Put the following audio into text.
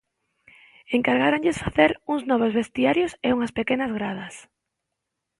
Encargáronlles facer uns novos vestiarios e unhas pequenas gradas.